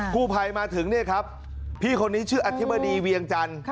ผู้ภัยมาถึงเนี่ยครับพี่คนนี้ชื่ออธิบดีเวียงจันทร์